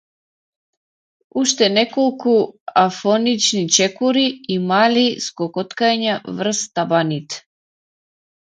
Уште неколку афонични чекори и мали скокоткања врз табаните.